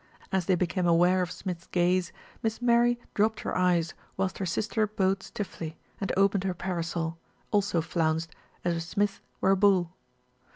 As they became aware of Smith's gaze, Miss Mary dropped her eyes, whilst her sister bowed stiffly, and opened her parasol, also flounced, as if Smith were a bull.